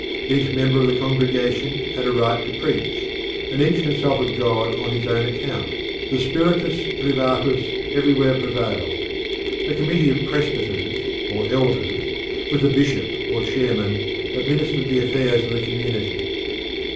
Each member of the congregation had a right to preach, and each consulted God on his own account. The spiritus privatus everywhere prevailed. A committee of presbyters or elders, with a bishop or chairman, administered the affairs of the community.